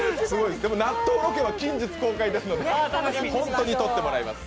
でも、納豆ロケは近日公開ですので本当に撮ってもらいます。